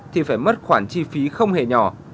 thì phải mất khoản chi phí không hề nhỏ